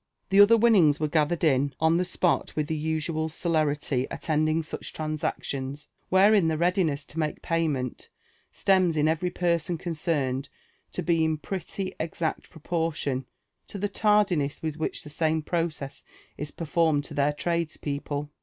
. The olher winnings were gathered in on the spot with the usual JONATHAN JEFFERSON WHITJiAW. «0l celerity attending such transactions, ^herein the readiness to make payment seems in every person concerned to be in pretty exact propor tion to the tardiness witli which the same process is performed to (heir tradespeople.